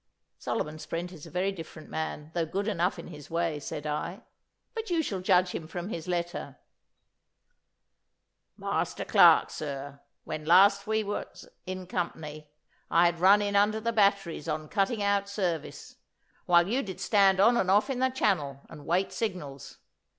'Solomon Sprent is a very different man, though good enough in his way,' said I. 'But you shall judge him from his letter.' '"Master Clarke. Sir, When last we was in company I had run in under the batteries on cutting out service, while you did stand on and off in the channel and wait signals.